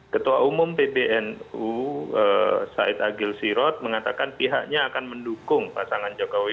ketua umum pbnu said agil sirot mengatakan pihaknya akan mendukung pasangan jokowi